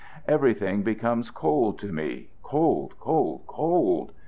Everything becomes cold to me cold, cold, cold!